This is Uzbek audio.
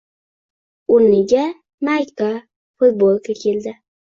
Oʻrniga mayka-futbolka keldi